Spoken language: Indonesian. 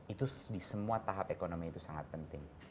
itu di semua tahap ekonomi itu sangat penting